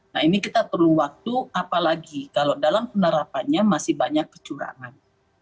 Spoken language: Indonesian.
nah ini kita perlu waktu apalagi kalau dalam penerapannya masih banyak kecurangan